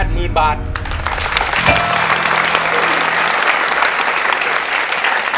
หมื่นบาท